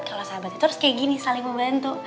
kalau sahabat itu harus kayak gini saling membantu